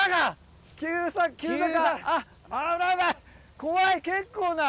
怖い結構な。